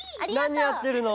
なにやってるの？